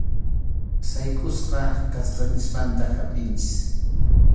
Saykʼusqa kasqanchikmanta humpʼinchik.